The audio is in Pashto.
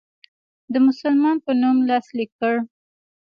د مسلمان په نوم لاسلیک کړ.